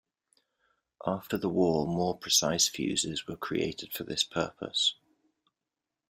After the war more precise fuses were created for this purpose.